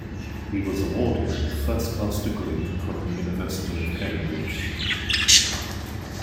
He was awarded a first-class degree from the University of Cambridge